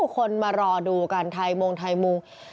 คนมารอดูกันไทยมงไทยมุง